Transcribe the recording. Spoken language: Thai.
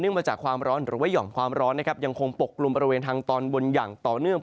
มาจากความร้อนหรือว่าหย่อมความร้อนนะครับยังคงปกลุ่มบริเวณทางตอนบนอย่างต่อเนื่อง